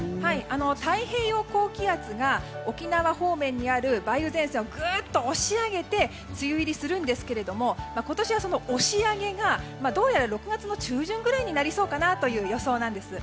太平洋高気圧が沖縄にある梅雨前線をぐっと押し上げて梅雨入りするんですけど今年はその押し上げが６月中旬くらいになりそうという予想なんです。